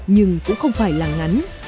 nhưng cũng không phải là ngắn